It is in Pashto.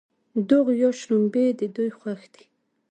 دوغ یا شړومبې د دوی خوښ دي.